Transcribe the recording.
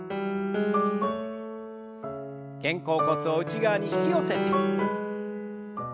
肩甲骨を内側に引き寄せて。